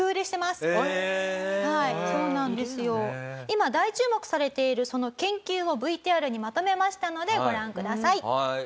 今大注目されているその研究をＶＴＲにまとめましたのでご覧ください。